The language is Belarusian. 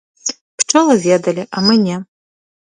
Пчолы ведалі, а мы не.